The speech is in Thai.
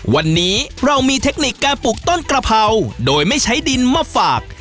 วันนี้เรามีเทคนิคการปลูกต้นกระเพราโดยไม่ใช้ดินมาฝาก